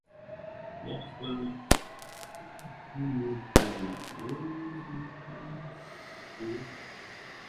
Lollius was a personal friend of the Roman poet Horace.